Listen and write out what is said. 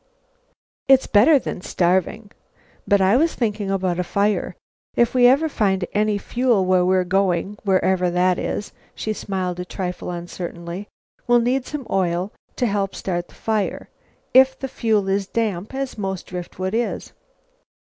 It's better than starving. But I was thinking about a fire. If we ever find any fuel where we're going wherever that is " she smiled a trifle uncertainly, "we'll need some oil to help start the fire if the fuel is damp, as most driftwood is."